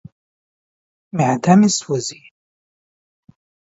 معده مې سوځي.